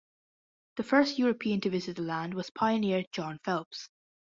The first European to visit the land was pioneer John Phelps.